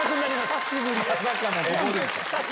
久しぶりに。